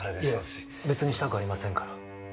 いえ別にしたくありませんから。